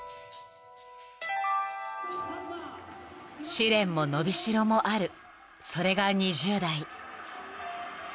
［試練も伸びしろもあるそれが２０代］